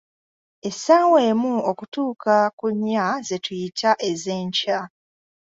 Essaawa emu okutuuka nga ku nnya, ze tuyita ez'enkya’